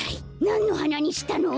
なんのはなにしたの？